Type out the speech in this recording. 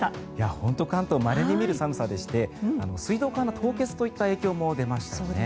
本当に関東まれに見る寒さでして水道管の凍結といった影響も出ましたよね。